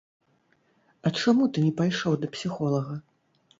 А чаму ты не пайшоў да псіхолага?